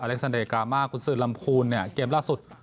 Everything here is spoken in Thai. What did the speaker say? อเล็กซานเดรียกรามากคุณศืนลำคูณเนี่ยเกมล่าสุด